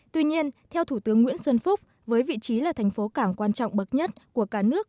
tuy nhiên theo thủ tướng nguyễn xuân phúc với vị trí là thành phố cảng quan trọng bậc nhất của cả nước